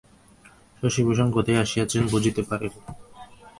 শশিভূষণ কোথায় আসিয়াছেন, বুঝিতে পারিলেন।